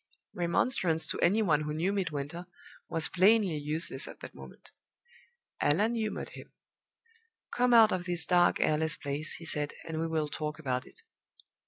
Remonstrance, to any one who knew Midwinter, was plainly useless at that moment. Allan humored him. "Come out of this dark, airless place," he said, "and we will talk about it.